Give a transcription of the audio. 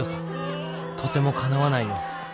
とてもかなわないよ。